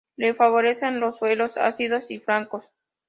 Le favorecen los suelos ácidos y francos.